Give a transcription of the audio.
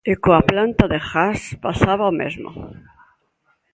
E coa planta de gas pasaba o mesmo.